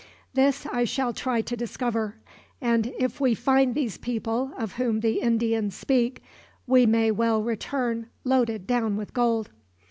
This I shall try to discover, and if we find these people of whom the Indians speak, we may well return loaded down with gold.